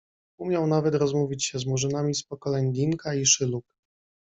Umiał nawet rozmówić się z Murzynami z pokoleń Dinka i Szyluk.